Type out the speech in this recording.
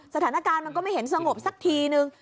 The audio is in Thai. สถานการณ์มันก็ไม่เห็นสงบสักทีนึง